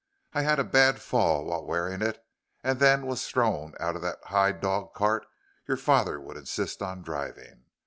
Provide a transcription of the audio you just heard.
I had a bad fall while wearing it, and then was thrown out of that high dog cart your father would insist on driving.